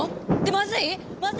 まずい！